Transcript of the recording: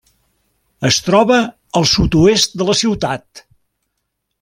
Es troba al sud-oest de la ciutat.